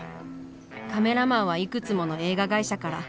カメラマンはいくつもの映画会社から。